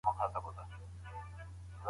زده کوونکو ته باید د پریکړې واک ورکړل سي.